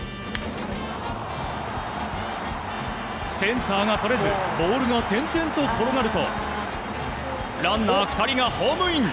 センターがとれずボールが点々と転がるとランナー２人がホームイン。